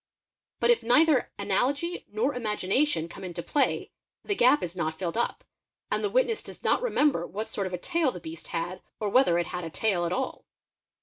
But if neither analogy nor imagination come into _ play, the gap is not filled up, and the witness does not remember what sort of a tail the beast had or whether it had a tail at all.